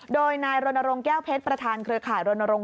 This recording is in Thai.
โดยนายรณรงค์แก้วเพชรประธานเครือข่ายรณรงค